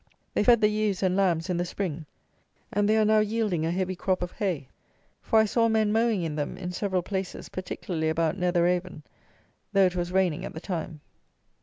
They fed the ewes and lambs in the spring, and they are now yielding a heavy crop of hay; for I saw men mowing in them, in several places, particularly about Netheravon, though it was raining at the time.